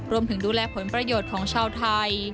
รวมถึงดูแลผลประโยชน์ของชาวไทย